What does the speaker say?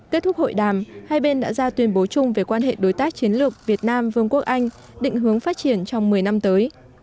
kết thúc hội đàm hai bên đã ra tuyên bố chung về quan hệ đối tác chiến lược việt nam vương quốc anh định hướng phát triển trong một mươi năm tới